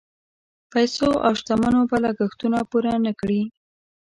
پیسو او شتمنیو به لګښتونه پوره نه کړي.